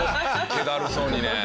気だるそうにね。